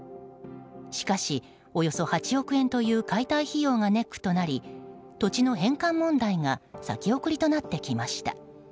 しかし、およそ８億円という解体費用がネックとなり土地の返還問題が先送りとなってきました。